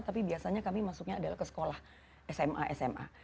tapi biasanya kami masuknya adalah ke sekolah sma sma